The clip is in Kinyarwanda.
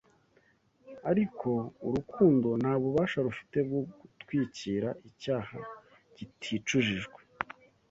Ariko urukundo nta bubasha rufite bwo gutwikira icyaha kiticujijwe